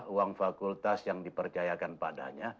uang fakultas yang dipercayakan padanya